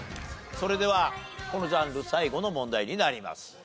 それではこのジャンル最後の問題になります。